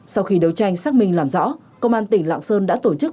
sau khi đấu tranh xác minh làm rõ công an tỉnh lạng sơn đã tổ chức